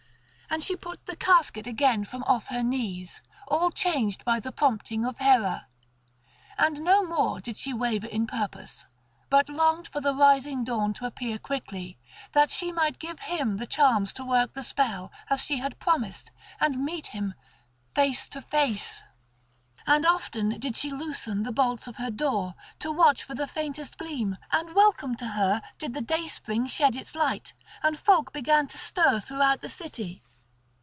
And she put the casket again from off her knees, all changed by the prompting of Hera, and no more did she waver in purpose; but longed for the rising dawn to appear quickly, that she might give him the charms to work the spell as she had promised, and meet him face to face. And often did she loosen the bolts of her door, to watch for the faint gleam: and welcome to her did the dayspring shed its light, and folk began to stir throughout the city.